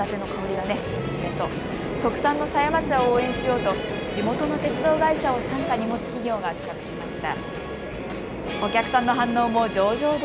特産の狭山茶を応援しようと地元の鉄道会社を傘下に持つ企業が企画しました。